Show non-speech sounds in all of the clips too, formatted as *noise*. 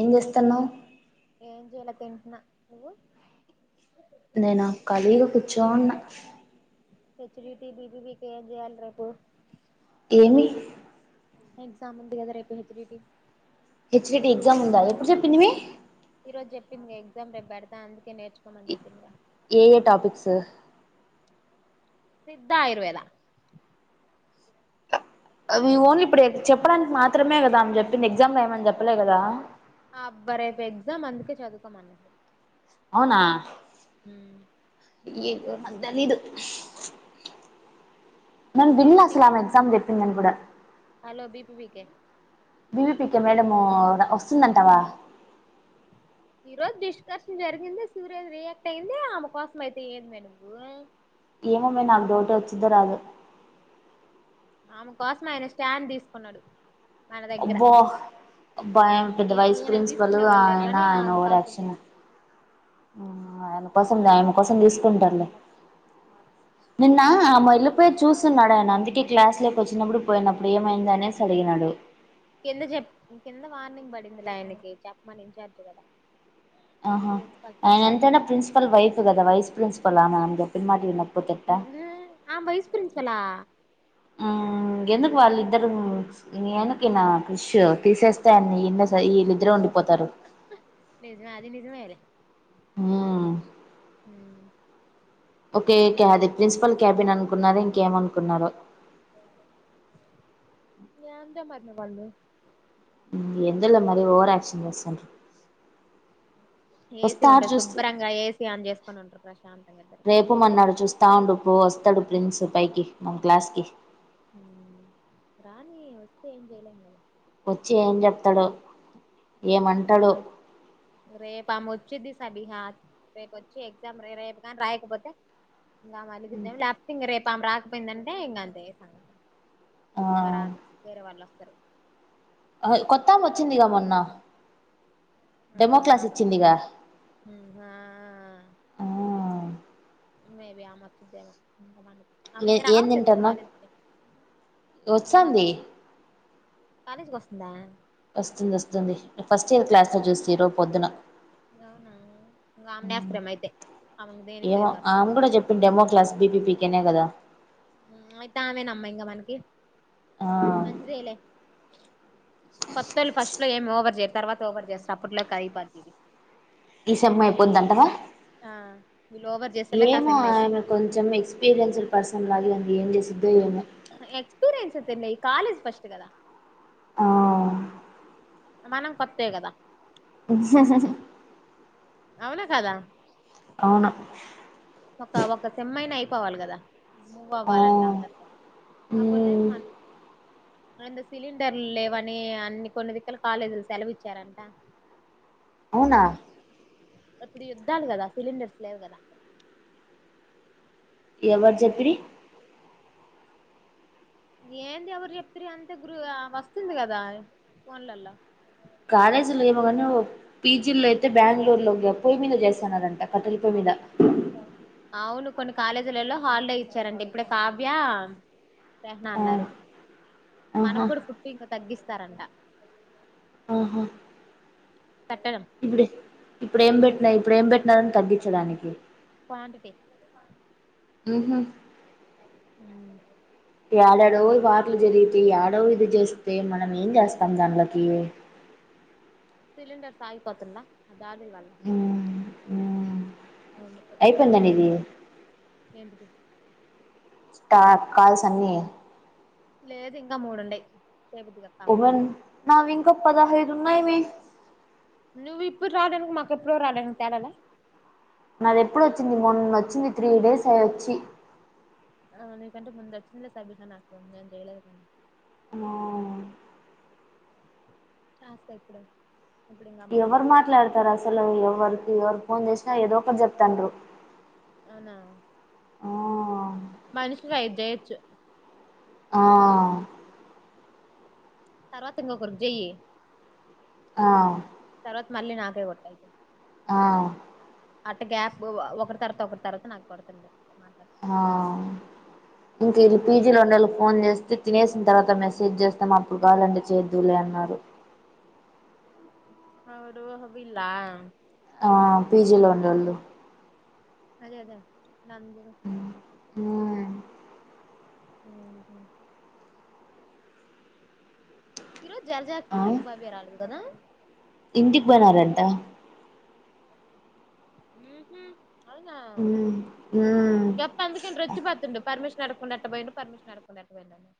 ఏం జేస్తన్నావ్ ఏం జేయలే తింటున్నా నువ్వు నేనా ఖాళీగా కూర్చో ఉన్న హెచ్ డి టివి *unintelligible* రేపు ఏమి ఎగ్జామ్ ఉంది గదా రేపు H D T H D T exam ఉందా ఎప్పుడు చెప్పింది మీ ఈ రోజు చెప్పిందిగా ఎగ్జామ్ రేపు పెడతా అందుకే నేర్చుకోమని చెప్పిందిగా ఏయే టాపిక్స్ సిద్ధ ఆయుర్వేద అవి ఓన్లీ ఇప్పుడే చెప్పడానికి మాత్రమే కదా ఆమె చెప్పింది ఎగ్జామ్ రాయమని చెప్పలే కదా ఆ అబ్బా రేపు ఎగ్జామ్ అందుకే చదువుకోమన్న అవునా మ్ ఏందో మాకు తెలీదు మాకు తెలీల అస్ల బీపీబీకే ఆమె ఎగ్జామ్ చెప్పిందని కూడా hello B P P K B P P K madam ఆ వస్తుందంటావా ఈ రోజు డిష్కర్షన్ జరిగింది సూర్య రియాక్ట్ అయింది ఆమె కోసం అయితే ఏంది మే నువ్వు ఏమో మే నాకు డౌటే వచ్చిదో రాదో ఆమె కోసమే ఆయన స్టాండ్ తీసుకున్నాడు మన దగ్గర అబ్బా అబ్బా ఆమె పెద్ద వైస్ ఈయనకు ప్రిన్సిపల్ తీసుకునే వాళ్ళు లేరు ఆయన కానీ ఆయన ఆమె ఓవర్ కోసం యాక్షను తీసుకున్నాడు మ్ ఆమే కోసం ఆయమ్మ కోసం తీసుకుంటారులే నిన్న ఆ ఆమే ఎల్లిపోయేది చూసి సున్నాడాయన అందుకే క్లాస్ లేకి వచ్చినప్పుడు పోయినప్పుడు ఏమైంది అనేసి అడిగినాడు కింద చెప్ప కింద వార్నింగ్ పడిందిలే ఆయనకి చెప్పమని ఇన్ఛార్జ్ కదా ఆహా ప్రిన్సిపాల్ ఆమె చేతిలో ఎంతైనా ప్రిసిపల్ వైఫ్ కదా వైస్ ప్రిన్సిపల్ ఆమ ఆమె చెప్పిన మాట ఇన ఆమె వైస్ ప్రిన్సిపల్ హా మ్ ఎందుకు వాళ్ళు ఇద్దరు *unintelligible* తీసేస్తా అని ఇండ ఈళ్ళిద్దరూ ఉండిపోతారు నిజమే అది నిజమేలే మ్ మ్ ఓకే క్యాబిన్ ప్రిన్సిపల్ క్యాబిన్ అనుకున్నాదో ఇంకేమనుకున్నారో ఎందో మరిన వాళ్ళు ఎందోలే మరి ఓవర్ యాక్షన్ చేస్తాడ్రు ఏసీ వస్తాడు ఉంటది చూస్తి శుభ్రంగా ఏసీ ఆన్ చేసుకొని ఉంటారు ప్రశాంతంగా ఇద్దరు రేపు మోన్నాడు చూస్తా ఉండుపో వస్త తరుడు ప్రిన్స్ పైకి మమ్ క్లాస్ కి రానీ వస్తే ఏం చేయలేం కదా వచ్చి ఏం చెప్తాడో ఏమంటాడో రేపు ఆమే వచ్చిద్ది సబిహా రేపు వచ్చి ఎగ్జామ్ రే రేపు కాని రాయకపోతే ఇంకా ఆమె అలిగిద్దెమో లేకపోతే ఇంక రేపు ఆమె రాకపోయిందంటే ఇంకా అంతే సంగతి ఇంకా రాదు వేరే వాళ్ళు వస్తారు ఆ కొత్తాం ఆమె వచ్చింది గా మొన్న ఆ డెమో క్లాస్ ఆమకు ఇచ్చిందిగా మ్ హా ఆ మే బి ఆమె వచ్చిదేమో మ్ ఏం తింటరుమా దో మొన్న వచ్చాంది కాలేజ్కి వస్తుందా వస్తుంది వస్తుంది ఫస్ట్ టైమ్ క్లాస్ లో చూస్తి ఈరోజు పొద్దున అవునా ఇంక ఆమెనే ఎస్టారేమో అయితే ఆమె దేనికి లేదు కాదు ఈయనే కదా అయితే ఆమెనమ్మా ఇంకా మనకి ఆ మంచిదేలే ఇపట్లో ఏమి ఓవర్ చేయరు తర్వాత ఓవర్ చేస్తరూ అప్పట్లో కిపోతాదిది ఈ సెమ్ అయిపోద్ధంటావ ఆ వీళ్ళు ఓవర్ చేసేలోకి ఆ ఏమో సెమ్ అయిపోద్ది ఆయన కొంచెం ఎక్స్పీరియయన్స్డ్ పర్సన్ లాగ ఏం చేసి ఎక్స్పీరియన్స్ వదిలే కాలేజ్ ఫస్ట్ కదా ఆ మనం కొత్తే కదా అవునా కదా అవును అవ్వాలి కదా మూవ్ ఆ అవ్వాలింటాం తప్పత ఆ పల్లే మ్మ్ మన సిలిండర్లు లేవని అన్ని కొన్ని దిక్కలు కాలేజీలు సెలవు ఇచ్చారంట అవునా ఇప్పుడు యుద్దాలు కదా సలిండర్స్ లేవు కదా ఎవరు చెప్పిరి ఏంది ఎవరు చెప్తురు అంతే గురు వస్తుంది కదా ఫోన్లలో కాలేజీ లో ఏమోగానీ పీజీలో అయితే బెంగళూరు లో పోయి మీద చేస్తానరంట కట్టలిపోయి మీద అవును కొన్ని కాలేజీలలో హాలిడే ఇచ్చారండి ఇప్పుడు కావ్య *unintelligible* ఆ అన్నారు ఆహా మనకు కూడా ఫుడ్ ఇంకా తగ్గి రంట ఆహా పట్టడం ఇప్పుడే ఇప్పుడు ఏం పెట్టినా ఇప్పుడు ఏం పెట్టినారని తగ్గించడానికి క్వాంటిటీ ఉహు హ ఏడాడో వార్లు జరిగితే ఏడో ఇది చేస్తే మనం ఏం చేస్తాం దాన్ లకి సిలిండర్సు ఆగిపోతున్డ్ల అది ఉమ్ *unintelligible* ఉమ్ అయిపోయిందా నీది ఏంటిది స్టార్ కాల్స్ అన్నీ లేదు ఇంకా మూడుండయి చేబుద్దిగాక్కా ముని ఉమెన్ *unintelligible* పదహైదు ఉన్నయ్ మే నువ్వు ఇప్పుడు రాలడానికి మాకెప్పుడ రడానికి తేలాల నాది ఎప్పుడు వచ్చింది మొన్న వచ్చింది త్రీ డేస్ అయి వచ్చి ఆ మీకంటే ముందు వచ్చింది సబీన నాకు నేను చేయలేదు కానీ ఆ చస్త ఇప్పుడు ఇప్పుడు ఇంకా మూడు ఎవరు చేస్తాది మాట్లాడతారు అసలు ఎవరికి ఎవరు ఫోన్ చేసినా ఏదో ఒకటి చెప్తుండ్రు అవునా మనుషి కి ఐదు చేయొచ్చు ఆ తర్వాత ఇంకొకరికి జై ఆ *unintelligible* ఆ అట్ట గ్యాప్ ఒకరి తర్వాత ఒకరి తర్వాత నాకు పడుతుంది ఆ ఇంక ఇడ పిజిలో *unintelligible* ఫోన్ చేస్తే తినేసిన తర్వాత మెసేజ్ చేస్తాం అప్పుడు కావాలంటే చేదువులే అన్నారు అవురు వీళ్ల పీజిలో ఉండేఒళ్ళు అదే అదే నంది హ హు ఈ రోజు ఆ *unintelligible* రాలేదు కదా ఇంటికి పోయినారు అంట ఉహు అవునా ఉమ్, ఉమ్. ఈయప్ప అందుకని రెచ్చి పాతుండు పర్మిష్ అడక్కుండ ఎట్ట బొయిండు పర్మిషన్ అడక్కుండ ఎట్ట బొయిండని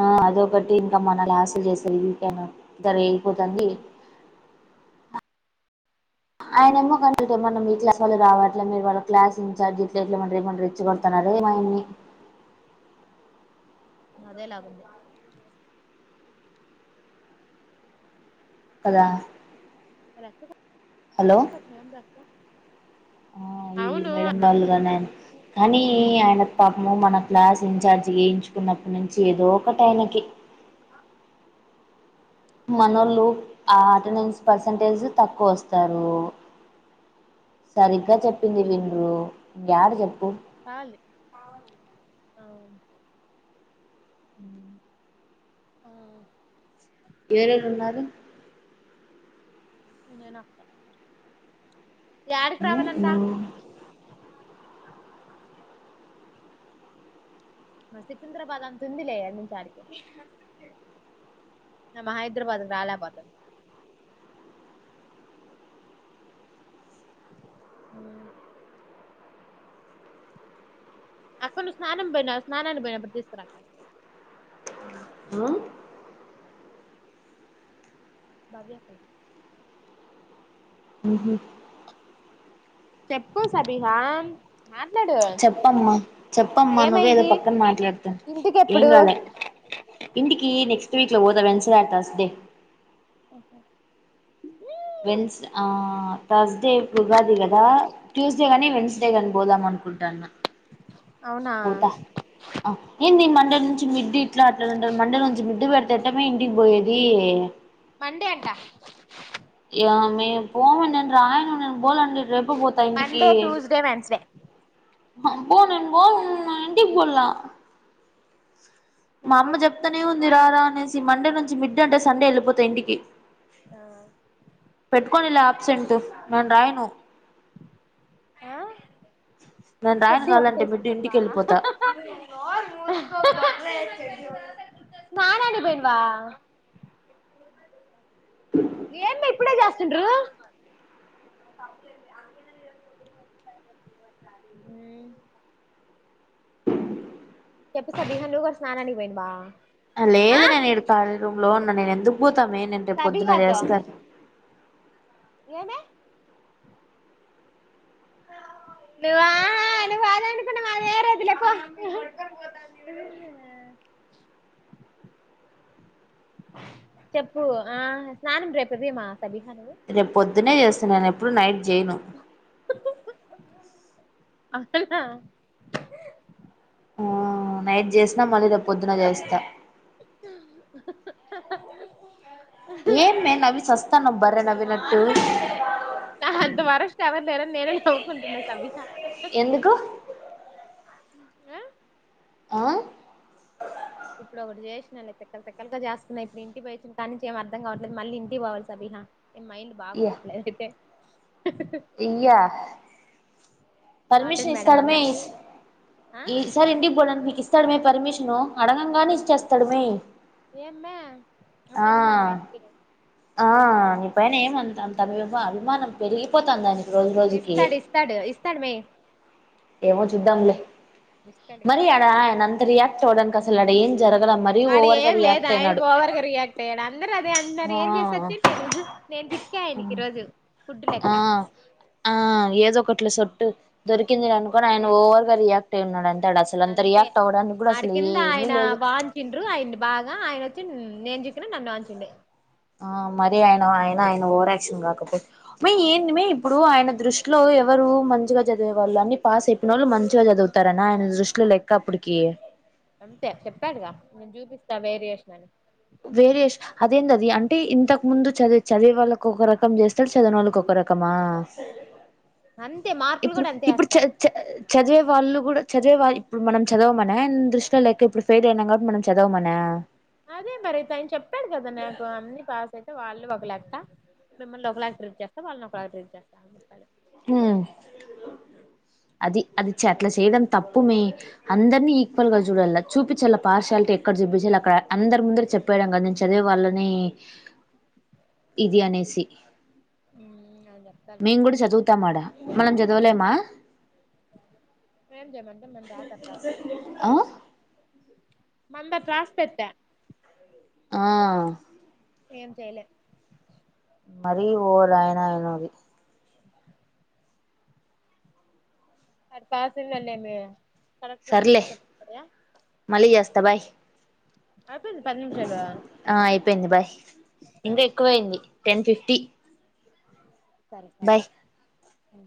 ఆ అదొకటి ఇంక మన లాస్లు చేసే ఇంకనూ దరేగి పోతాంది ఆయనేమో కంట్లటేమన మీ అని క్లాసోల్లే రావాలి అట్ల మీరు వాళ్ళ క్లాస్ ఇన్ఛార్జ్ ఇట్లెట్ల వార్నేమన రెచ్చి గొడుతున్నారే ఏమాయన్ని అదేలాగుంది అదా నేందక్క ఆ ఈల్ మేడం వాళ్ళుగానన్ కానీ ఆయన పాపము మన క్లాస్ ఇన్ఛార్జ్ గేయించుకున్నప్పుటి నుంచి ఏదో ఒకటి ఆయనకి మనోళ్ళు ఆ అటెండెన్స్ పర్సెంటేజ్ తక్కువ వస్తారు సరిగ్గా చెప్పింది విండు గ్యాడు చెప్పు కాలి ఆ ఉ ఆ ఏరురు ఉన్నారు నేనొక్క యాడికి రావాలంట సికింద్రాబాద్ అంతుందులే ఈడ్నించి ఆడికి నమ హైదరాబాద్ రాలే పాత ఉమ్ అక్క ను స్నానం బొయినా స్నానానిగి బొయినప్పుడు తీస్కొరా అక్క ఆ భవ్యక్ ఊహు చెప్పు సబీహాం చెప్పమ్మా చెప్పమ్మా నువ్వే ఏదో ఏమైంది పక్కన మాట్లాడతు ఏం ఇంటికెప్పుడు కాల ఇంటికి నెక్స్ట్ వీక్ లో పోదా వెన్స్డే ఆర్ తర్స్డే ఓహ వెన్స్ ఆ థర్స్డే ఉగాది గదా ట్యూస్డేగాని వెన్స్డే గాని బోదామ్మన్ కుంటాన అవునా ఏంది మండే నుంచి మిడ్ ఇట్లా అట్లా అంటా మండే నుంచి మిడ్డ్ ఎట్టమే ఇంటికి బొయేది మండే అంటా యామే పోవ నేను రాయను నేన్ బోలండి రేపే పోతా ఇంటికి మండే ట్యూస్డే వెన్స్డే బో నేన్ బోను నా ఇంటికి బొల్లా మా అమ్మ నాకేం చెప్తానే ఉంది ఆ రారా అనేసి మండే నుంచి మిడ్ అంటే సండే ఎళ్ళిపోతా ఇంటికి ఆ పెట్టుకోనిలా ఆబ్సెంట్ మన రాయను ఆ నేను రాయను పెద్ది ఒకటే కావాలంటే మిడ్ సుక్కా ఇంటికి వెళ్ళిపోతా స్నానానికి బొయిన్వా ఏం మే ఇప్పుడే చేస్తుండ్రు మ్మ్ చెప్పు సబీహ నువ్వు గూడ స్నానానికి బొయ్నవా ఆ లేదు నేను ఇడు కాలీరూమ్ లో ఉన్న నేను ఎందుకు పోతామే నేను రేపు పొద్దున సబీహాతో చేస్తా ఏమి అ నువ్వా నువ్వు ఆన్నెందుకున్నవు *unintelligible* పో చెప్పు ఆ స్నానం రేపువీమా సబీహ రేపు పొద్దున్న చేస్తాను నేను ఎప్పుడు నైట్ చేయను అవున ఆ నైట్ చేసినా మళ్ళీ రేపు పొద్దున చేస్తా ఏం మే నవ్వి సస్తానవు బర్ర నవ్వినట్టు నా అంత వారెస్ట్ ఎవర లేరని నేనని నవ్వుకుంటున్నా సమీరా ఎందుకు ఆ ఆ ఇప్పుడు ఒకటి చేసినా తిక్కల్ తిక్కల్గ చేస్తున్నా ఇప్పుడు ఇంటికి పోయి వచ్చిన కడినుంచి ఏమి అర్థం కావట్లేదు మళ్ళీ ఇంటికి పోవాలి సమీరా మైండ్ ఇయ్య బాగుండట్లేదైతే ఇయ్యా వార్డెన్ పర్మిషన్ మేడం ఇస్తాడమే అన్నట్టు ఆ ఈ సారి ఇంటికి పోడనికి నీకు ఇస్తాడమే పర్మిషను అడగంగానే ఇచ్చేస్తాడు మీ ఏమ్మే అంత ఆ అభిమానమా ఆయనకి ఆ నీ పని ఏమంత అభిమానం పెరిగిపోతుందిని ఇస్తాడు ఇస్తాడు ఇస్తాడు మే ఏమో చుద్ద్దంలే ఇస్తాడు మరియాడా అంతరీయాట్ అస్సలు ఆడ ఏం జరగల మరీ ఆడ ఓవర్ గా ఏం లేదు రియాక్ట్ ఆయన అయినాడు పోవర్గా రియాక్ట్ అయ్యాడు అందరూ అదే అంటున్నారు ఆ ఏం చేసొచ్చే నేను నేను చిక్కాయనికి ఈ రోజు ఫుడ్డు లెక్క ఆ ఆ ఏదో ఒకటిలా సొట్టు దొరికింది అనుకోని ఆయన ఓవర్గా రియాక్ట్ అయి ఉన్నాడుంటడి అంతే ఆడ కింద ఏమీ ఆయన లేదు వంచిండ్రూ ఆయన బాగా ఆయన నేను చిక్కిన నన్ను వంచిండు ఆ మరి ఆయన ఆయన ఆయన ఓవరాక్షన్ కాకపోతే ఏంటి మే ఇప్పుడు ఆయన దృష్టిలో ఎవరు మంచిగా చదివే వాళ్ళు అన్ని పాస్ అయిపోయిన వాళ్ళు మంచిగా చదువుతారన్న ఆయన దృష్టిలో లెక్క అప్పటికి అంతే చెప్పాడుగా నేను చూపిస్తా వేరియేషన్ అని వేరియేషన్ అదేందది అంటే ఇంతకు ముందు చది చదివి వాళ్ళకి ఒక రకం చేస్తడు చదివని వాళ్ళకి ఒక రకం అకమా అంతే మార్కులు ఇప్పుడు కూడా అంతే ఇప్పుడు వేస్తాడు చ చదివే వాళ్ళు కూడా చదివవా ఇప్పుడు మనం చదవవుమనా దృష్టిలో లేెక ఇప్పుడు ఫెయిల్ అయినా కాబటి మనం చదవమనా అదే మరి త ఆయన చెప్పాడు కదా నాకు అన్ని పాస్ వాళ్ళు ఒక లెక్క మిమ్మల్ని ఒకలా ట్రీట్ చేస్తా వాళ్ళని ఒకలా ట్రీట్ చేస్తాప్పి ఆ అది అది అట్లా చేయడం తప్పుమే అందరినీ ఈక్వల్ గా చూడాల చూపించాల పార్షయాలిటీ ఎక్కడ అడ చెప్పేసి అక్కడ అందరి ముందర చెప్పడు కద నేను చదివ వాళ్ళని ఇది అనేసి ఉమ్ ఆయన చెప్తాడు మేము కూడా చదువుతాం మనం చదవలేమా ఏం చేయమంటే మేము ఆ మందా త్రాస్ పెట్ట ఆ ఏం చేయలేం మరి ఓరుయన ఆయనది అది పాస్ కరెక్ట్ ట్వంటీ సర్లే ఫైవ్ *inaudible* మళ్ళీ చేస్తా బాయ్ అయిపోయిందా పది నిమిషాలు యింది బాయ్ ఇంకా సరే ఎక్కువయింది టెన్ ఫిఫ్టీ సరే బాయ్ అఓ